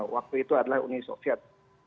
waktu itu adalah uni soviet